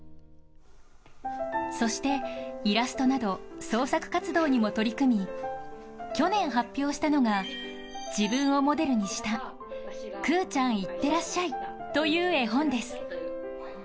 そしてイラストなど創作活動にも取り組み去年発表したのが自分をモデルにした「くうちゃんいってらっしゃい」という絵本です。